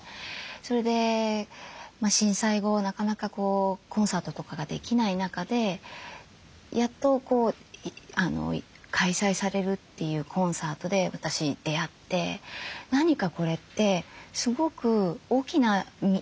それで震災後なかなかコンサートとかができない中でやっと開催されるっていうコンサートで私出会って何かこれってすごく大きな意味があるなって思ったんですね。